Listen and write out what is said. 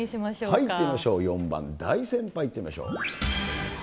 いってみましょう、４番、大先輩いってみましょう。